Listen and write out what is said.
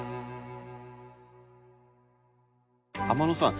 天野さん